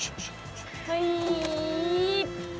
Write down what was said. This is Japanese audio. はい。